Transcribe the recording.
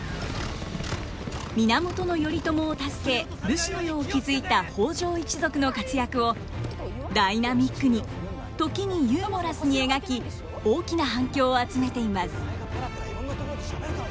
源頼朝を助け武士の世を築いた北条一族の活躍をダイナミックに時にユーモラスに描き大きな反響を集めています。